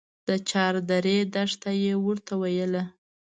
د چاردرې دښته يې ورته ويله.